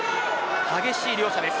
激しい両者です。